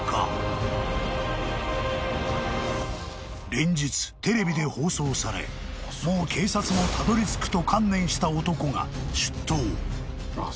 ［連日テレビで放送されもう警察もたどりつくと観念した男が出頭］